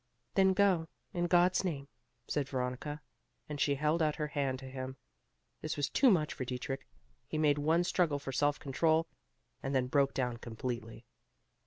"Then go, in God's name," said Veronica, and she held out her hand to him. This was too much for Dietrich. He made one struggle for self control and then broke down completely.